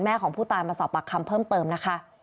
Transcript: ของผู้ตายมาสอบปากคำเพิ่มเติมนะคะ